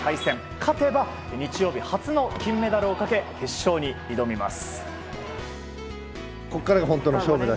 勝てば日曜日初の金メダルをかけ決勝に挑みます。